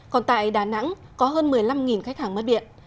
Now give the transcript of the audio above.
còn tại đà nẵng có hơn một mươi năm khách hàng mất điện